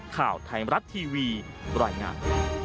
ข้าวไทยรัฐทีวีบริหาร